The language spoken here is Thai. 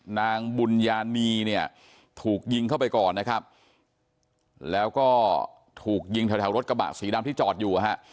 นางบุญญานีเนี่ยถูกยิงเข้าไปก่อนนะครับแล้วก็ถูกยิงแถวรถกระบะสีดำที่จอดอยู่นะฮะ